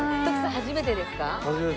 初めてですか？